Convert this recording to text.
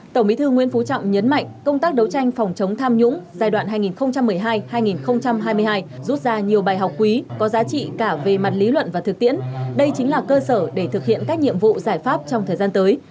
tổng bí thư nguyễn phú trọng nhấn mạnh công tác đấu tranh phòng chống tham nhũng giai đoạn hai nghìn một mươi hai hai nghìn hai mươi hai rút ra nhiều bài học quý có giá trị cả về mặt lý luận và thực tiễn đây chính là cơ sở để thực hiện các nhiệm vụ giải pháp trong thời gian tới